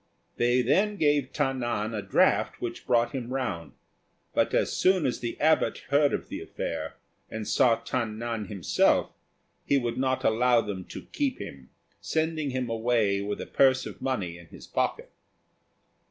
They then gave Ta nan a draught which brought him round; but as soon as the abbot heard of the affair and saw Ta nan himself, he would not allow them to keep him, sending him away with a purse of money in his pocket.